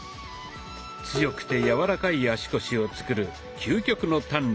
強くて柔らかい足腰をつくる究極の鍛錬